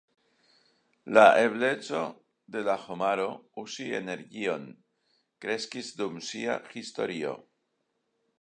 La ebleco de la homaro, uzi energion, kreskis dum sia historio.